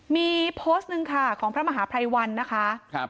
มีโพสต์หนึ่งค่ะของพระมหาภัยวันนะคะ